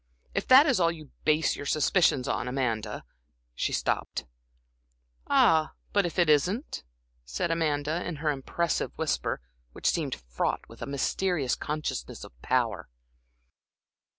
If that is all you base your suspicions on, Amanda" She stopped. "Ah, but if it isn't?" said Amanda, in her impressive whisper, which seemed fraught with a mysterious consciousness of power.